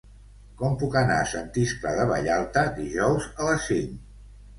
Com puc anar a Sant Iscle de Vallalta dijous a les cinc?